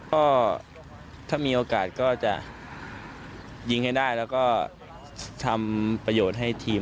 ก็ถ้ามีโอกาสก็จะยิงให้ได้แล้วก็ทำประโยชน์ให้ทีม